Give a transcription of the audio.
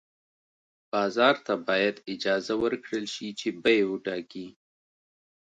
بازار ته باید اجازه ورکړل شي چې بیې وټاکي.